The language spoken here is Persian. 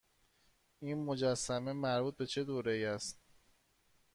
این مجسمه مربوط به چه دوره ای است؟